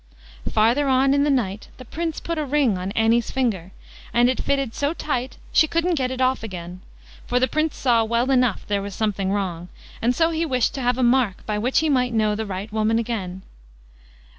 Farther on in the night the Prince put a ring on Annie's finger, and it fitted so tight she couldn't get it off again; for the Prince saw well enough there was something wrong, and so he wished to have a mark by which he might know the right woman again.